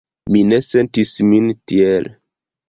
Mi ne sentis min tiel.